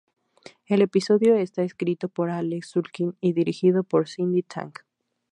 El episodio está escrito por Alec Sulkin y dirigido por Cyndi Tang.